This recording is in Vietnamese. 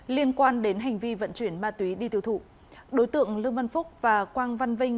liên quan đến hành vi vận chuyển ma túy đi tiêu thụ đối tượng lương văn phúc và quang văn vinh